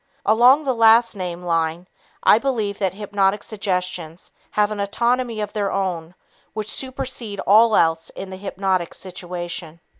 Along the last named line, I believe that hypnotic suggestions have an autonomy of their own which supersede all else in the hypnotic situation.